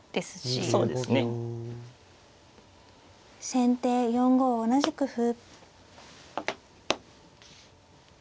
先手４五同じく歩。